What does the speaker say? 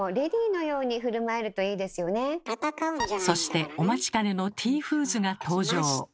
そしてお待ちかねのティーフーズが登場。